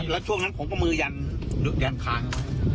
แล้วช่วงนั้นของข้อมือยันยันคล้าง